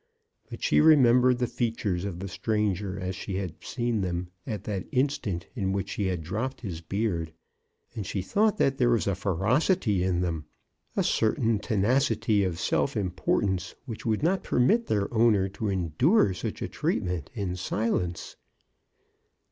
But she remembered the features of the stranger as she had seen them at that instant in which she had dropped his beard, and she thought that there was a ferocity in them, a certain tenacity of self importance, which would not permit their owner to endure such treatment in silence.